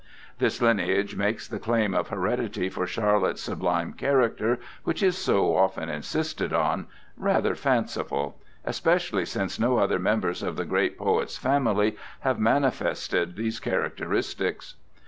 This lineage makes the claim of heredity for Charlotte's sublime character, which is so often insisted on, rather fanciful, especially since no other members of the great poet's family have manifested these characteristics.